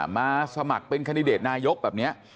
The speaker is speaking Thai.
มาสมัครเป็นคันดิเดตนายกแบบนี้